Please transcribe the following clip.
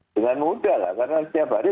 dengan mudah lah karena setiap hari